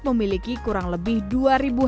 kecamatan sukamakmur kabupaten bogor jawa barat